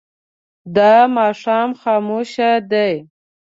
دا ماښام خاموش دی.